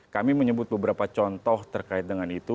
kami menyebut beberapa contoh terkait dengan itu